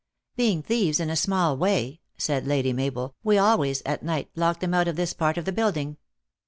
"Being thieves in a small way," said Lady Mabel, " we always, at night, lock them out of this part of the building.